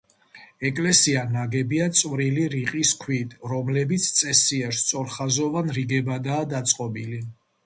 ეკლესია ნაგებია წვრილი, რიყის ქვით, რომლებიც წესიერ, სწორხაზოვან რიგებადაა დაწყობილი.